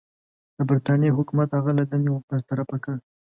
د برټانیې حکومت هغه له دندې برطرفه کړ.